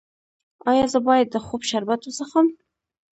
ایا زه باید د خوب شربت وڅښم؟